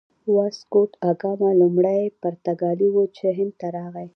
واسکوداګاما لومړی پرتګالی و چې هند ته راغی.